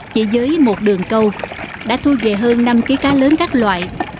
chỉ dưới một đường câu đã thu về hơn năm kg cá lớn các loại